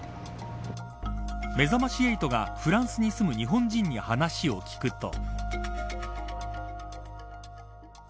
めざまし８がフランスに住む日本人に話を聞くと。